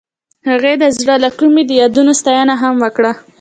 هغې د زړه له کومې د یادونه ستاینه هم وکړه.